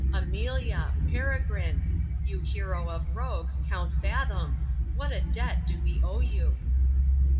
Amelia !— Peregrine !— you hero of rogues, Count Fathom ,— what a debt do we owe you